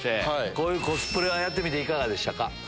こういうコスプレはやってみていかがでしたか？